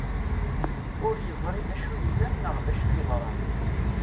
Ur yeẓri d acu yellan neɣ d acu yeḍran.